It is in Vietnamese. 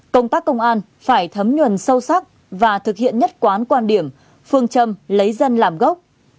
công tác công an phải thấm nhuần sâu sắc và thực hiện nhất quán quan điểm phương châm lấy dân làm gốc